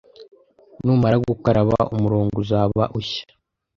Numara gukaraba, umurongo uzaba ushya.